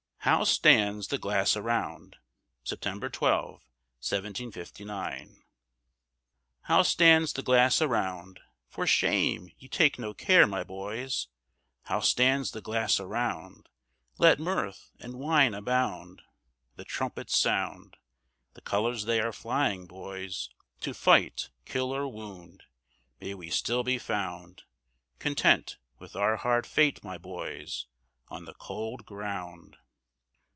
HOW STANDS THE GLASS AROUND? [September 12, 1759] How stands the glass around? For shame ye take no care, my boys, How stands the glass around? Let mirth and wine abound, The trumpets sound, The colors they are flying, boys, To fight, kill, or wound, May we still be found Content with our hard fate, my boys, On the cold ground.